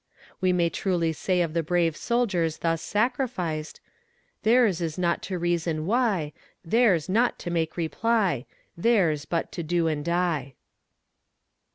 We may truly say of the brave soldiers thus sacrificed Their's not to reason why, Their's not to make reply, Their's but to do and die.